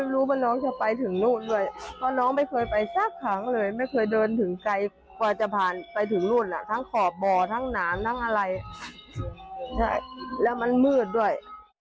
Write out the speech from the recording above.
แล้วมันมืดด้วย